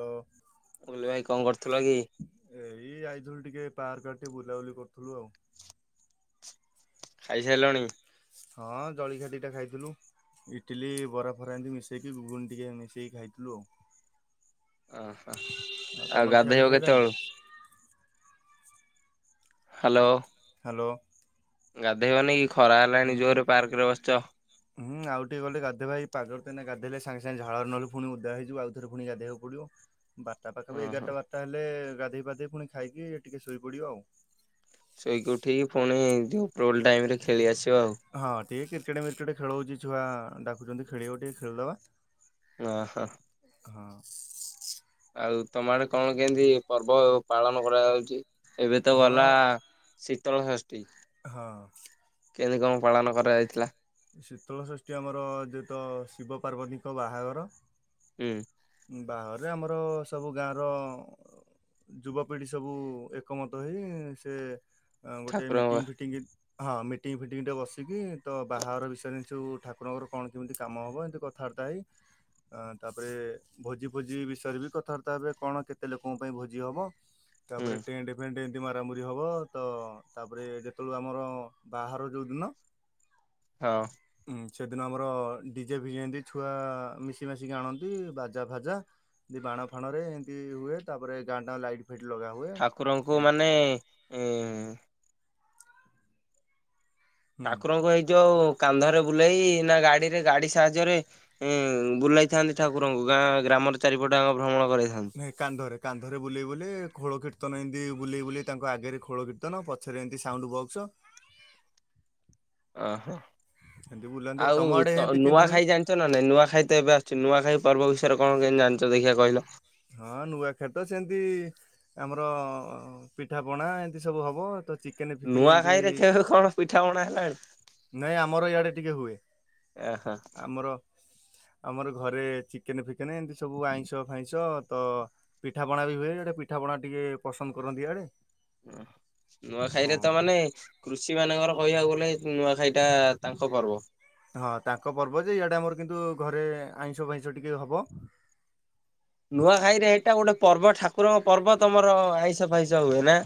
ଲୋ ମୁଁ କଇଲି ଭାଇ କଣ କରୁଥିଲ କି? ଏଇ ଆଇଥିଲୁ ଟିକେ ପାର୍କ ଆଡେ ଟିକେ ବୁଲାବୁଲି କରୁଥୁଲୁ ଆଉ। ଖାଇ ସାଇଲଣି? ହଁ ଜଳିଖିଆ ଦିଟା ଖାଇଥିଲୁ। ଇଟିଲି ବରା ଫରା ଏମିତି ମିଶେଇକି ଗୁଗୁନି ଟିକେ ମିଶେଇକି ଖାଇଥିଲୁ ଆଉ। ଓହୋ, ତମର ଆଉ ଖିଆପିଆ ଗାଧେଇବ ସଇଲାଣି? କେତବେଳୁ? ହାଲୋ। ହ୍ୟାଲୋ। ଗାଧେଇବନି କି ଖରା ହେଲାଣି ହୁଁ ଜୋରେ ପାର୍କ ରେ ବସିଚ? ହୁଁ, ଆଉ ଟିକେ ଗଲେ ଗାଧେଇବା। ଏଇ ପାଗରେ ତ ଏଇନା ଗାଧେଇଲେ ସାଙ୍ଗେ ସାଙ୍ଗେ ଝାଳ ନହେଲେ ଫୁଣି ଓଦା ହେଇଯିବୁ। ଆଉ ଥରେ ପୁଣି ଗାଧେଇଆକୁ ପଡିବ। ବାରଟା ପାଖାପାଖି ଓହୋ ଏଗାରଟା ବାରଟା ହେଲେ ଗାଧେଇ ପାଧେଇ ପୁଣି ଖାଇକି ଟିକେ ଶୋଇ ପଡିବା ଆଉ। ଶୋଇକି ଉଠିକି ଫୁଣି ଯୋଉ ଉପରଅଳି ଟାଇମ୍ ରେ ଖେଳି ଆସିବ ଆଉ। ହଁ ଟିକେ କ୍ରିକେଟ୍ ମିରକେଟ ଖେଳ ହଉଚି। ଛୁଆ ଡାକୁଚନ୍ତି ଖେଳିବ ଟିକେ ଖେଳିଦବା। ଓ ହୋ। ହଁ। ଆଉ ତୋମ ଆଡେ କଣ କେମିତି ପର୍ବ ପାଳନ କରାଯାଉଚି? ଏବେ ତ ହଁ ଗଲା ଶୀତଳଷଷ୍ଠୀ। ହଁ। କେମିତି କଣ ପାଳନ କରାଯାଇଥିଲା? ଏ ଶୀତଳଷଷ୍ଠୀ ଆମର ଯେ ତ ଶିବ ପାର୍ବତୀ ଙ୍କ ବାହାଘର। ହୁଁ। ବାହାଘର ରେ ଆମର ସବୁ ଗାଁର ଯୁବପିଢ଼ି ସବୁ ଏକମତ ହେଇ ସେ ଅ, ଗୋଟେ ଠାକୁରଙ୍କ ମିଟିଙ୍ଗ ଫିଟିଙ୍ଗି ହଁ ମିଟିଙ୍ଗ ଫିଟିଙ୍ଗ ଟେ ବସିକି ତ ବାହାଘର ବିଷୟରେ ହିଁ ସବୁ ଠାକୁରଙ୍କର କଣ କେମିତି କାମ ହବ ଏମିତି କ ଥାବାର୍ତ୍ତା ହେଇ ଅ, ତାପରେ ଭୋଜି ଭୋଜି ବିଷୟରେ ବି କଥାବାର୍ତ୍ତା ହେବେ କଣ କେତେ ଲୋକଙ୍କ ପାଇଁ ଭୋଜି ହବ। ହୁଁ ତାପରେ ଟେଣ୍ଡେ ଭେଣ୍ଟ ଏମତି ମାରାମୁରି ହବ, ତ ତାପରେ ଯେତେବେଳେ ଆମର ବାହାଘର ଯୋଉ ଦିନ ହଁ। ଉଁ, ସେଦିନ ଆମର ଡିଜେ ଫିଜେ ଜେନ୍ତି ଛୁଆ ମିଶି ମାଶିକି ଆଣନ୍ତି। ବାଜ ଜା ଫାଜା ଦି-ବାଣ ଫାଣ ରେ ଏମିତି ହୁଏ। ତାପରେ ଗାଁଟା ଲାଇଟ ଫାଇଟ ଲଗା ହୁଏ। ଠାକୁରଙ୍କୁ ଏ- ମାନେ ଏଁ, ହୁଁ ଠାକୁରଙ୍କୁ ହେଇ ଯୋଉ କାନ୍ଧରେ ବୁଲେଇ ନା ଗାଡିରେ ଗାଡି ସାହାଯ୍ୟରେ ଏଁ, ବୁଲେଇ ଥାନ୍ତି ଠାକୁରଙ୍କୁ ଗାଁ ଗ୍ରାମରେ ଚାରିପଟେ ଯାଙ୍କ ଭ୍ରମଣ କରେଇଥାନ୍। ନାଇଁ କାନ୍ଧରେ କାନ୍ଧରେ ବୁଲେଇ ବୁଲେଇ ଖୋଳ କୀର୍ତ୍ତନ ଏମତି ବୁଲେଇ ବୁଲେଇ ତାଙ୍କ ଆଗରେ ଖୋଳ କୀର୍ ତନ ପଛରେ ଏମତି ସାଉଣ୍ଡ ବକ୍ସ। ଓହୋ। ଏମତି ବୁଲାନ୍ତି, ଆଉ ତୋମ ଆଡେ ଏମତି କେମତି ହୁଏ? ଚନା ନାଇଁ ନୂଆଖାଇ ତ ଏବେ ଆସୁୂଛି, ନୂଆଖାଇ ପର୍ବ ବିଷୟରେ କଣ କେମିତି ଜାଣିଚ ଦେଖିଆ କହିଲ? ହଁ ନୂଆଖାଇ ତ ସେମିତି ଆମର ପିଠା ପଣା ଏମତି ସବୁ ହବ। ତ ଚି କେନେ ଫିକେନ ଏମତି, ନୂଆଖାଇରେ କେବେ କଣ ପିଠାପଣା ହେଲାଣି ନାଇଁ ଆମର ଇଆଡେ ଟିକେ ହୁଏ। ଓ ହୋ। ଆମର ଆମର ଘରେ ଚିକେନ ଫିକେନ ଏମିତି ସବୁ ଆଇଁଷ ଫାଇଁ ଷ ତ ପିଠା ପଣା ବି ହୁଏ ଆଡେ ପିଠା ପଣା ଟିକେ ପସନ୍ଦ କରନ୍ତି ଇଆଡେ। ଓ ନୂଆଖାଇ ହଁ ରେ ତ ମାନେ କୃଷି ମାନଙ୍କର କହିବାକୁ ଗଲେ ନୂଆ ଖାଇ ଟା-ଆ ତାଙ୍କ ପର୍ବ। ହଁ ତାଙ୍କ ପର୍ବ ଯେ ଇଆଟା ଆମର କିନ୍ତୁ ଘରେ ଆଇଁଷ ଫାଇଁଷ ଟିକେ ହବ। ନୂଆଖାଇରେ ଏଇଟା ଗୋଟେ ପର୍ବ ଠାକୁରଙ୍କ ପର୍ବ ତମର ଆଇଁଷ ଫାଇସ ହୁଏ ନା?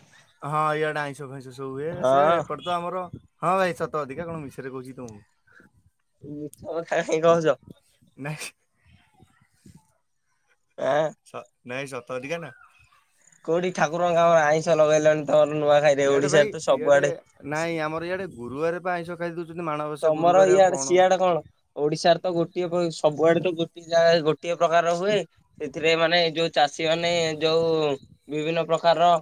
ହଁ ଇଆଡେ ଆଇଁଷ ଫଇଁଷ ସବୁ ହୁଏ। ସେ ହଁ ଏପଟେ ତ ଆମର ହଁ ଭାଇ ସତ ସତିକା କଣ ମିଛରେ କହୁଛି କି ତମକୁ। ମିଛ କଥା କାଇଁ କହୁଛ। ନା। ଏ। ସତ୍ ନାଇଁ ସତ ସତିକା ନା। କୋଉଠି ଠାକୁର ଙ୍କ କାମରେ ଆଇଁଷ ଲଗେଇଲଣି। ତମର ନୂଆଖାଇରେ ଇଆଡେ ଭାଇ ଓଡିଶାରେ ତ ଇଆଡେ ସବୁଆଡେ ନାଇଁ ଆମର ଇଆଡେ ଗୁରୁବାରେ ପା ଆଇଁଷ ଖାଇ ଦଉଛନ୍ତି ମାଣବସା ତମର ଗୁରୁବାରେ ଆଉ ଇଆଡେ କଣ। ସିଆଡେ ଓଡିଶାରେ ତ ଗୋଟିଏ ପ ସବୁଆଡେ ତ ଗୋଟିଏ ଜାଗାରେ ଗୋଟିଏ ପ୍ରକାର ର ହୁଏ। ସେଥିରେ ମାନେ ଯୋଉ ଚାଷୀ ମାନେ ଯୋଉ ବିଭିନ୍ନ ପ୍ରକାରର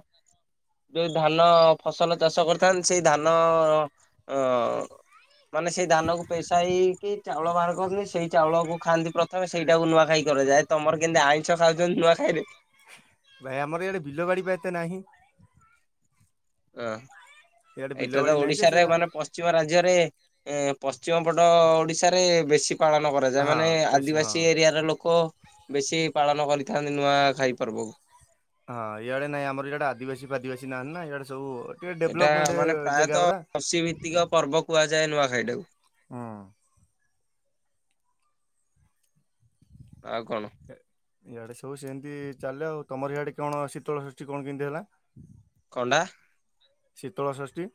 ଯୋଉ ଧାନ ଫସଲ ଚାଷ କରିଥାନ୍ତି ସେଇ ଧାନ-ଅ-ଅ-ଅ-ଅ ଅ-ଅ ମାନେ ସେଇ ଧାନ କୁ ପେସା ହେଇ ହେଇକି ଚାଉଳ ବାହାର କରନ୍ତି ସେଇ ଚାଉଳକୁ ଖାଆନ୍ତି ପ୍ରଥମେ ସେଇଟାକୁ ନୂଆଖାଇ କରାଯାଏ। ତମର କେମିତି ଆଇଁଷ ଖାଉଛନ୍ତି ନୂଆ ଖାଇରେ? ଭାଇ ଆମର ଏଇଆଡେ ବିଲ ବାଡି ବା ଏତେ ନାହିଁ। ହଁ ଇଆଡେ ବିଲ ଏଇଟା ତ ବାଡି ନାହିଁ ଯେ ଓଡିଶାରେ ସେରା ମାନେ ପଶ୍ଚି ମ ରାଜ୍ୟରେ ଏ ପଶ୍ଚିମ ପଟ ଓଡ଼ିଶାରେ ବେଶୀ ପାଳନ କରାଯାଏ ମାନେ ହଁ ବେଶୀ ଆଦିବାସୀ ହଁ। ଏରିଆ ର ଲୋକ ବେଶୀ ପାଳନ କରିଥାନ୍ତି ନୂଆ ଖାଇ ପର୍ବକୁ। ହଁ ଇଆଡେ ନାଇଁ ଆମର ଇଆଡେ ଆଦିବାସୀ ଫାଦିବାସୀ ନାହାନ୍ତି ନା ଇଆଡେ ସବୁ ଟିକେ ଡେଭଲପମେଣ୍ଟ ଜେଗାଗୁରା। ପ୍ରତିକ ର୍ପବ କୁହାଯାଏ ନୂଆଖାଇଟାକୁ। ହଁ। ଆଉ କଣ। ଇଆଡେ ସବୁ ସେମିତି ଚାଲେ ଆଉ ତମର ଇଆଡେ କଣ ଶୀତଳ ଷଷ୍ଠୀ କଣ କେମିତି ହେଲା। କନଟା? ଶୀତଳ ଷଷ୍ଠୀ।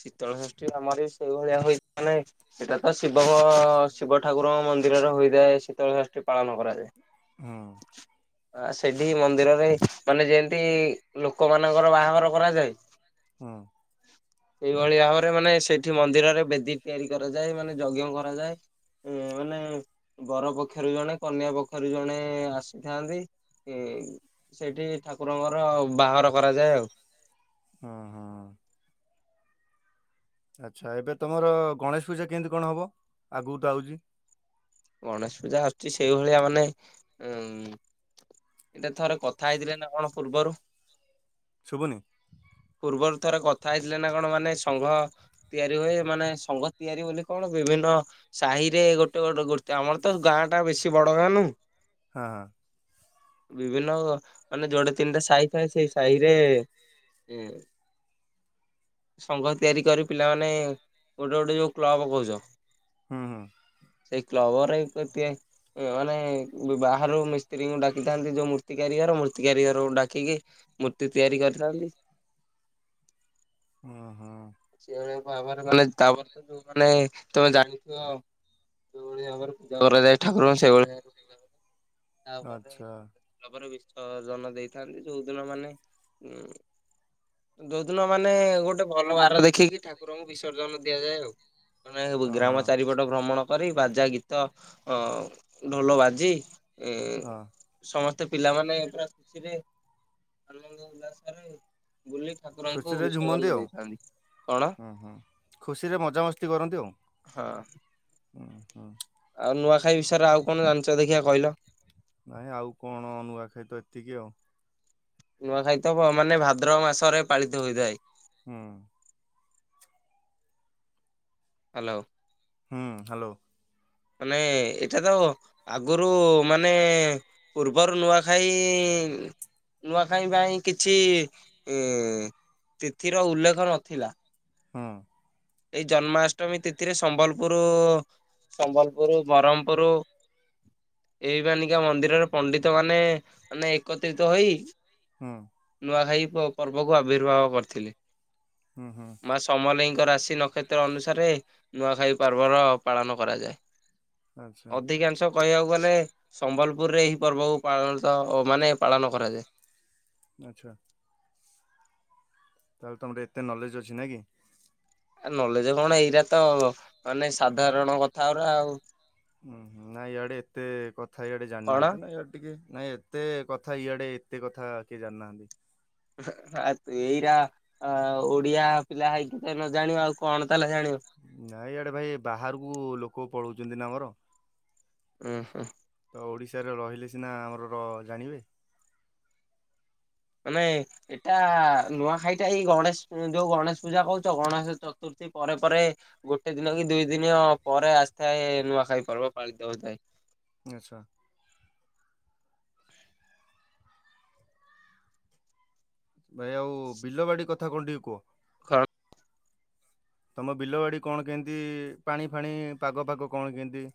ଶୀତଳ ଷଷ୍ଠୀ ଆମର ବି ସେଇ ଭଳିଆ ହୁଏ ମାନେ ସେଇଟା ତ ଶିବ-ଅ-ଅ-ଅ ଶିବ ଠାକୁରଙ୍କ ମନ୍ଦିରରେ ହୋଇଥାଏ ଶୀତଳ ଷଷ୍ଠୀ ପାଳନ କରାଯାଏ। ହଁ। ଆ ସେଠି ମନ୍ଦିରରେ ମାନେ ଯେମତି-ଇ-ଇ ଲୋକମାନାନଙ୍କର ବାହାଘର କରାଯାଏ ହଁ। ସେଇଭଳି ଭାବରେ ମାନେ ସେଇଠି ମନ୍ଦିରରେ ବେଦୀ ତିଆରି କରାଯାଏ ମାନେ ଯଜ୍ଞ କରାଯାଏ। ଅ-ଅ-ଅ ମାନେ ବର ପକ୍ଷରୁ ଜଣେ କନ୍ୟା ପକ୍ଷରୁ ଜଣେ-ଏ-ଏ ଆସିଥାନ୍ତି। ଏ-ଏ-ଏ ସେଇଠି ଠାକୁରଙ୍କର ବାହାଘର କରାଯାଏ ଆଉ। ହଁ ହଁ। ଆଚ୍ଛା ଏବେ ତମର-ଅ-ଅ ଗଣେଶ ପୂଜା କେମିତି କଣ ହବ ଆଗକୁ ତ ଆଉଛି? ଗଣେଶ ପୂଜା ଆସୁଛି ସେଇଭଳିଆ ମାନେ ଉ-ଉ-ଉ ଏଇଟା ଥରେ କଥା ହେଇଥିଲେ ନା କଣ ପୂର୍ବରୁ? ଶୁଭୁନି। ପୂର୍ବରୁ ଥରେ କଥା ହେଇଥିଲେ ନା କଣ ମାନେ ସଂଘ ତିଆରି ହୁଏ ମାନେ ସଙ୍ଘ ତିଆରି ବୋଲି କଣ ବିଭିନ୍ନ ସାହି ରେ ଗୋଟେ ଗୋଟେ ଗୋ ଆମର ତ ଗାଁ ଟା ବେଶୀ ବଡ ଗାଁ ନ ହଁ ହଁ। ବିଭିନ୍ନ ମାନେ ଯୁଆଡେ ତିନିଟା ସାହି ଥାଏ ସେଇ ସାହିରେ ହୁଁ। ସଂଘ ତିଆରି କରି ପିଲାମାନେ ଗୋଟେ ଗୋଟେ ଯୋଉ କ୍ଲବ କୋହୁଚ ହୁଁ ହୁଁ। କ୍ଲବ ଘରେ କରତି ଉଁ ମାନେ ବାହାରୁ ମିସ୍ତ୍ରୀଙ୍କୁ ଡାକିଥାନ୍ତି ଯୋଉ ମୂର୍ତ୍ତି କାରିଗର ମୂର୍ତ୍ତି କାରିଗରଙ୍କୁ ଡାକିକି ମୂର୍ତ୍ତି ତିଆରି କରିଥାନ୍ତି। ଅଁ ହଁ। ସେଇଭଳି ଭାବରେ ମାନେ ତାପରେ ତ ଯୋଉମାନେ ତମେ ଜାଣିଥିବ ଯୋଉଭଳି ଭାବରେ ପୂଜା କରାଯାଏ ଠାକୁରଙ୍କୁ ସେଇଭଳି ଭାବରେ ପୂଜା [unintelligible] ତାପରେ [unintelligible] ଆଚ୍ଛା ତାପରେ ବିଶର୍ଜନ ଦେଇଥାନ୍ତି ଯୋଉଦିନ ମାନେ ଉଁ ଯୋଉଦିନ ମାନେ ଗୋଟେ ଭଲ ବାର ଦେଖିକି ଠାକୁରଙ୍କୁ ବିସର୍ଜନ ଦିଆଯାଏ ଆଉ। ମାନେ ହଁ ହଁ। ଗ୍ରାମ ଚାରିପଟ ଭ୍ରମଣ କରି ବାଜା, ଗୀତ, ଅ ଢୋଲ ବାଜି ଇ ହଁ ସମସ୍ତେ ପିଲାମାନେ ପୁରା ଖୁସିରେ ଆନନ୍ଦ ଉଲ୍ଲାସରେ ବୁଲି ଠାକୁରଙ୍କୁ ଖୁସିରେ ଝୁମନ୍ତି ବିଶର୍ଜନ ଆଉ ଦେଇଥାନ୍ତି କଣ? ହୁଁ ହୁଁ ଖୁସିରେ ମଜାମସ୍ତି କରନ୍ତି ଆଉ ହଁ ଉଁହୁଁ। ଆଉ ନୂଆଖାଇ ବିଷୟରେ ଆଉ କଣ ଜାଣିଚ ଦେଖିଆ କହିଲ? ନାଇଁ ଆଉ କଣ ନୂଆଖାଇ ତ ଏତିକି ଆଉ। ନୂଆଖାଇ ତ ବ ମାନେ ଭାଦ୍ରବ ମାସରେ ପାଳିତ ହୋଇଥାଏ। ହୁଁ। ହାଲୋ। ହୁଁ ହାଲୋ। ମାନେ ଏଇଟା ତ ଆଗରୁ ମାନେ ପୂର୍ବରୁ ନୂଆଖାଇ ନୂଆଖାଇ ପାଇଁ କିଛି ଇ ତିଥିର ଉଲ୍ଲେଖ ନଥିଲା। ହଁ। ଏଇ ଜନ୍ମାଷ୍ଟମୀ ତିଥିରେ ସମ୍ବଲପୁରୁ ସମ୍ବଲପୁରୁ ବ୍ରହ୍ମପୁରୁ ଏଇ ମାନିକା ମନ୍ଦିରରେ ପଣ୍ଡିତ ମାନେ ମାନେ ଏକତ୍ରିତ ହୋଇ ହଁ। ନୂଆଖାଇ ପ-ପର୍ବକୁ ଆବିର୍ଭାବ କରିଥିଲେ। ହଁ ହଁ। ମାଆ ସମଲେଇଙ୍କ ରାଶି, ନକ୍ଷତ୍ର, ଅନୁସାରେ ନୂଆଖାଇ ପର୍ବର ପାଳନ କରାଯାଏ। ଆଚ୍ଛା ଅଧିକାଂଶ କହିବାକୁ ଗଲେ ସମ୍ବଲପୁରରେ ଏହି ପର୍ବକୁ ପାଳନ ତ ଓ ମାନେ ପାଳନ କରାଯାଏ। ଆଚ୍ଛା। ତାହେଲେ ତମର ଏତେ ନଲେଜ ଅଛି ନାକି? ଆ ନଲେଜେ କଣ ଏଇରା ତ ମାନେ ସାଧାରଣ କଥାଉରା ଆଉ। ହୁଁ ହୁଁ ନାଁ ଇଆଡେ ଏତେ କଥା ଇଆଡେ ଜାଣି କଣ? ନାହାଁନ୍ତି ନା ଇଆ ଟିକେ ନାଇଁ ଏତେ କଥା ଇଆଡେ ଏତେ କଥା କିଏ ଜାଣିନାହାନ୍ତି। ଆତ୍ ଏଇରା ଆ ଓଡିଆ ପିଲା ହେଇକି ଯଦି ନ ଜାଣିବ ଆଉ କଣ ତାହଲେ ଜାଣିବ? ନାଇଁ ଇଆଡେ ଭାଇ ଏ ବାହାରକୁ ଲୋକ ପଳୋଉଚନ୍ତି ନା ଆମର। ଉଁହଁ। ତ ଓଡ଼ିଶାରେ ରହିଲେ ସିନା ଆମର ର ଜାଣିବେ। ମାନେ ଏଟା ନୂଆଖାଇଟା ଏଇ ଗଣେଶ ଯୋଉ ଗଣେଶ ପୂଜା କୋହୁଚ ଗଣେଶ ଚତୁର୍ଥୀ ପରେ ପରେ ଗୋଟେ ଦିନ କି ଦୁଇ ଦିନ ପରେ ଆସିଥାଏ ନୂଆଖାଇ ପର୍ବ ପାଳିତ ହଉଥାଏ। ଆଚ୍ଛା। ଭାଇ ଆଉ ବିଲ ବାଡି କଥା କଣ ଟିକେ କୁହ। ଖ ତମ ବିଲ ବାଡି କଣ କେମତି ପାଣି ଫାଣି ପାଗ ଫାଗ କଣ କେମତି?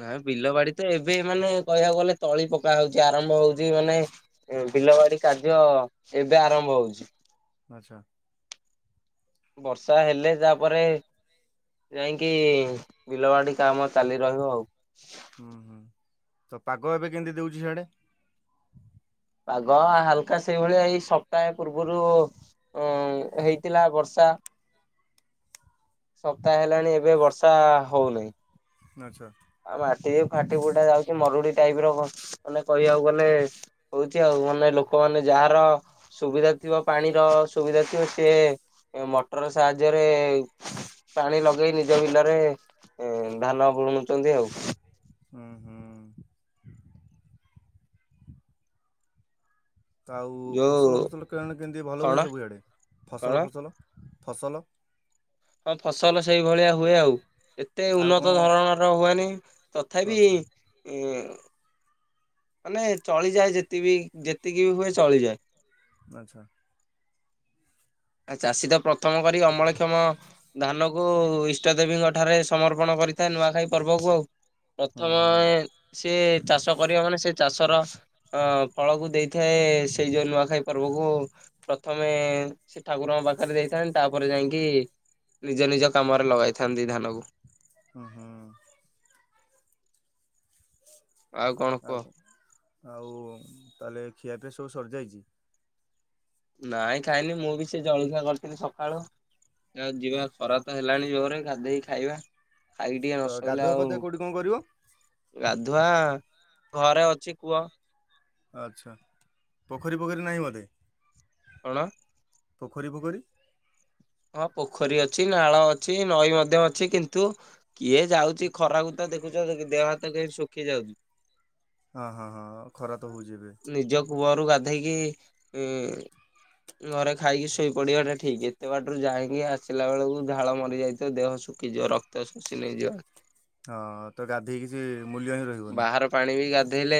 ନାଇଁ ବିଲ ବାଡି ତ ଏବେ ମାନେ କହିବାକୁ ଗଲେ ତଳି ପକା ହୋଉଚି। ଆରମ୍ଭ ହୋଉଚି ମାନେ ବିଲବାଡି କାର୍ଯ୍ୟ ଏବେ ଆରମ୍ଭ ହୋଉଚି। ଆଚ୍ଛା। ବର୍ଷା ହେଲେ ତାପରେ ଯାଇଁକି ବିଲ ବାଡି କାମ ଚାଲି ରହିବ ଆଉ। ହୁଁ ହୁଁ ତ ପାଗ ଏବେ କେମିତି ଦୋଉଚି ସିଆଡେ? ପାଗ ହାଲକା ସେଇଭଳିଆ ଏଇ ସପ୍ତାହେ ପୂର୍ବରୁ ଉଁ ହେଇ ଥିଲା ବର୍ଷା। ସପ୍ତାହେ ହେଲାଣି ଏବେ ବର୍ଷା ହୋଉନାଇଁ। ଆଚ୍ଛା। ଆଉ ମାଟି ବି ଫାଟି ଫୁଟା ଯାଉଚି ମରୁଡି ଟାଇପର ମାନେ କହିବାକୁ ଗଲେ। ହୋଉଚି ଆଉ ମାନେ ଲୋକମାନୋନେ ଯାହାର ସୁବିଧା ଥିବ ପାଣିର ସୁବିଧା ଥିବ ସିଏ ମଟର ସାହାଯ୍ୟରେ ପାଣି ଲଗେଇ ନିଜ ବିଲରେ ଏଁ ଧାନ ବୁଣୁଚନ୍ତି ଆଉ। ହୁଁ ହୁଁ। ତ ଆଉ ଯୋଉ ଫସଲ, ଫସଲ କେଣେ କେମିତି ଭଲ ହୁଏ କଣ ସବୁ ଇଆଡେ କଣ ଫସଲ, ଫସଲ, ଫସଲ ହଁ ଫସଲ ସେଇଭଳିଆ ହୁଏ ଆଉ। ଏତେ ଆଉ କଣ ଉନ୍ନତ ଧରଣର ହୁଏନି ତଥାପି ଆଚ୍ଛା ଇଁ ମାନେ ଚଳିଯାଏ ଯେତିବି ଯେତିକି ବି ହୁଏ ଚଳିଯାଏ। ଆଚ୍ଛା। ଆ ଚାଷୀ ତ ପ୍ରଥମ କରି ଅମଳକ୍ଷମ ଧାନ କୁ ଇଷ୍ଟ ଦେବୀଙ୍କ ଠାରେ ସମର୍ପଣ କରିଥାଏ। ନୂଆଖାଇ ପର୍ବକୁ ଆଉ ହୁଁ ପ୍ରଥମ ହୁଁ ଏ ସିଏ ଚାଷ କରିବା ମାନେ ସେ ଚାଷର ଅ ଫଳକୁ ଦେଇଥାଏ ସେଇ ଯୋଉ ନୂଆଖାଇ ପର୍ବକୁ ପ୍ରଥମେ ସେ ଠାକୁରଙ୍କ ପାଖରେ ଦେଇଥାନ୍ତି, ତାପରେ ଯାଇଁକି ନିଜ ନିଜ କାମରେ ଲଗାଇଥାନ୍ତି ଧାନକୁ। ହୁଁ ହୁଁ। କଣ ଆଉ କୁହ କଣ ଆଉ ତାହେଲେ ଖିଆପିଆ ସବୁ ସରିଯାଇଚି। ନାଇଁ ଖାଇନି, ମୁଁ ବି ସେ ଜଳଖିଆ କରିଥିଲି ସକାଳୁ ଯାଉଚି ଯିବା ଆଚ୍ଛା। ଖରା ତ ହେ ଲାଣି ଜୋରେ ଗାଧେଇକି ଖାଇବା। ଖାଇକି ଟିକେ ନ ତ ଶୋଇଲେ ଗାଧୁଆ ଆଉ ପାଧୁଆ କୋଉଠି କଣ କରିବ? ଗାଧୁଆ ଘରେ ଅଛି କୁଅ। ଆଚ୍ଛା, ପୋଖରୀ ଫୋଖରୀ ନାହିଁ ବୋଧେ। କଣ? ପୋଖରୀ ଫୋଖରୀ। ହଁ, ପୋଖରୀ ଅଛି, ନାଳ ଅଛି, ନଈ ମଧ୍ୟ ଅଛି କିନ୍ତୁ କିଏ ଯାଉଚି ଖରାକୁ ତ ଦେଖୁଚ ଦେହ ହାତ କେମିତି ଶୁଖି ଯାଉଚି। ହଁ ହଁ ହଁ ଖରା ତ ହୋଉଚି ଏବେ। ନିଜ କୂଅରୁ ଗାଧେଇକି ଇଁ ଘରେ ଖାଇକି ଶୋଇପଡିବାଟା ଠିକ୍। ସେତେ ବାଟରୁ ଯାଇକି ଆସିଲା ବେଳକୁ ଝାଳ ମରିଯାଇଥିବ ଦେହ ଶୁଖିଯିବ ରକ୍ତ ଶୋଷି ନେଇଯିବ‌ ଆ ହଁ, ତ ଗାଧେଇକି ସେ ମୂଲ୍ୟ ହିଁ ରହିବନି। ବାହାର ପାଣି ବି ଗାଧେଇଲେ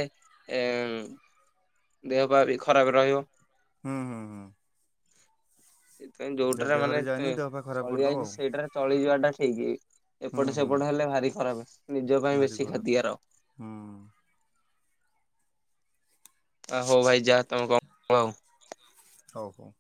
ଏଂ ଦେହ ପା ବି ଖରାପ ରହିବ। ହୁଁ ହୁଁ ହୁଁ। ସେଥିପାଇଁ ଯାହା ଯୋଉଟାରେ ମାନେ ଦେହରେ ଏତେ ଯାଏନି ଦେହ ପା ଖରାପ ଚଳି କରିଦବ ଯାଇଚି ଆଉ। ସେଇଟାରେ ଚଳିଯିବା ଟା ଠିକ୍ ହୁଁ ଏପଟ ହୁଁ ସେପଟ ହେଲେ ଭାରି ଖରାପ। ନିଜ ପାଇଁ ଭାରି ବେଶୀ କ୍ଷତିକାର। ଖରାପ ହୁଁ। ଆ ହୋଉ ଭାଇ ଯାହା ତମେ ଗପ ଆଉ? ହୋଉ ହୋଉ।